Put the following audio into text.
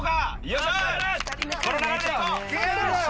この流れでいこう。